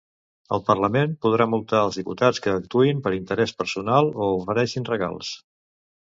El parlament podrà multar els diputats que actuïn per interès personal o ofereixin regals.